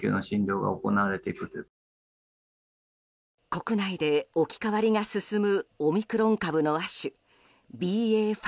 国内での置き換わりが進むオミクロン株の亜種、ＢＡ．５。